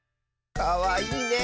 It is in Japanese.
かわいいねえ。